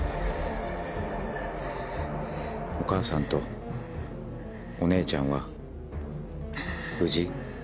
お母さんとお姉ちゃんは無事？